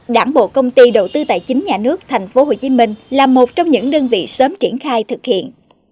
đảng bộ công ty đầu tư tài chính nhà nước tp hcm là một trong những đơn vị sớm triển khai thực hiện